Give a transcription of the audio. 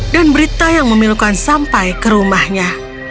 dan berita yang memilukan sampai ke rumahnya